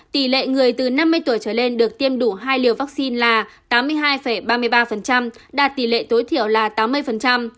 tỷ lệ người từ năm mươi tuổi trở lên được tiêm đủ hai liều vaccine là tám mươi hai ba mươi ba đạt tỷ lệ tối thiểu là tám mươi